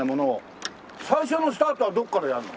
最初のスタートはどこからやるの？